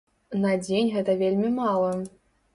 На дзень гэта вельмі мала.